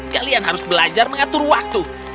kalian harus belajar mengatur waktu